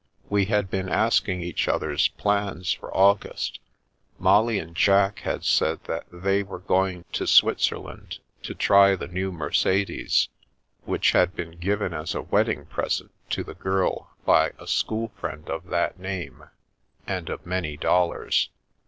We had been asking each others' plans for Au gust. Molly and Jack had said that they were going to Switzerland to try the new Mercedes, which had been given as a wedding present to the girl by a school friend of that name, and of many dollars.